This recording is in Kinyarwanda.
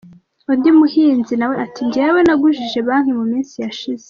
Undi muhinzi nawe ati “Ngewe nagujije banki ,mu minsi yashize.